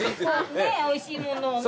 ねぇおいしいものをね。